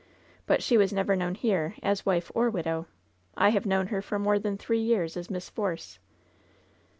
But she was never known here as wife or widow. I have known her for more than three years as Miss Force.